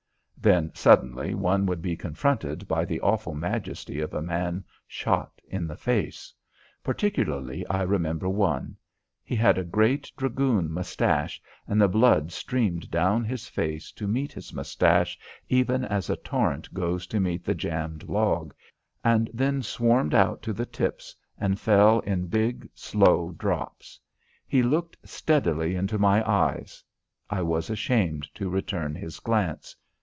Then suddenly one would be confronted by the awful majesty of a man shot in the face. Particularly I remember one. He had a great dragoon moustache, and the blood streamed down his face to meet this moustache even as a torrent goes to meet the jammed log, and then swarmed out to the tips and fell in big slow drops. He looked steadily into my eyes; I was ashamed to return his glance.